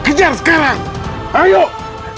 mereka kabur q